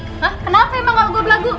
kenapa emang kalo gue belagu